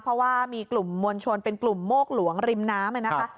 เพราะว่ามีกลุ่มมวลชนเป็นกลุ่มโมกหลวงริมน้ำนะคะ